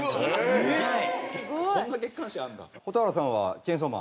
すごい。